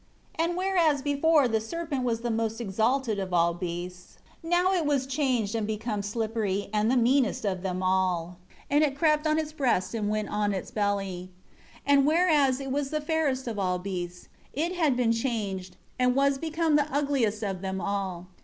3 And whereas before the serpent was the most exalted of all beasts, now it was changed and become slippery, and the meanest of them all, and it crept on its breast and went on its belly. 4 And whereas it was the fairest of all beasts, it had been changed, and was become the ugliest of them all.